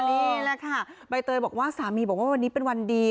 นี่แหละค่ะใบเตยบอกว่าสามีบอกว่าวันนี้เป็นวันดี